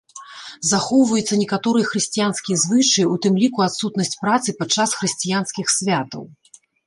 Захоўваюцца некаторыя хрысціянскія звычаі, у тым ліку адсутнасць працы падчас хрысціянскіх святаў.